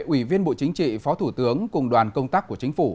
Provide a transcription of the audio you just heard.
ủy viên bộ chính trị phó thủ tướng cùng đoàn công tác của chính phủ